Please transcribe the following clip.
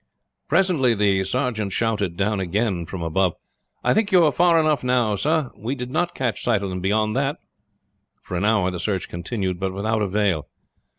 Presently the sergeant shouted down again from above: "I think you are far enough now, sir! We did not catch sight of them beyond that!" For an hour the search continued, but without avail.